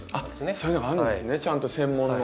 そういうのがあるんですねちゃんと専門の。